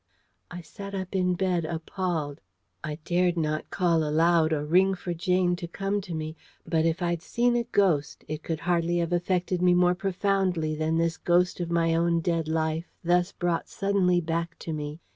I sat up in bed, appalled. I dared not call aloud or ring for Jane to come to me. But if I'd seen a ghost, it could hardly have affected me more profoundly than this ghost of my own dead life thus brought suddenly back to me.